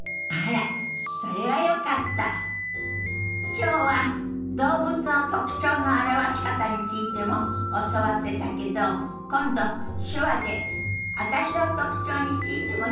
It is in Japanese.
きょうは動物の特徴の表し方についても教わってたけど今度手話で私の特徴についても表現してくださらない？